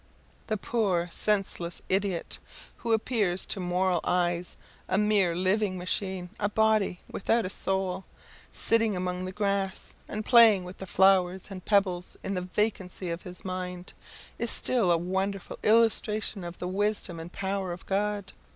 The poor, senseless idiot, who appears to moral eyes a mere living machine, a body without a soul, sitting among the grass, and playing with the flowers and pebbles in the vacancy of his mind, is still a wonderful illustration of the wisdom and power of God.